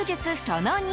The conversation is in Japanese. その２。